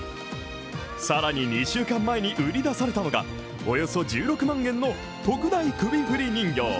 更に２週間前に売り出されたのがおよそ１６万円の特大首振り人形。